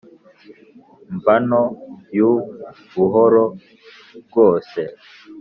mvano yu buhoro bwose